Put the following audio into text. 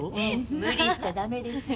無理しちゃ駄目ですよ。